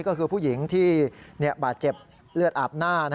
ก็คือผู้หญิงที่บาดเจ็บเลือดอาบหน้า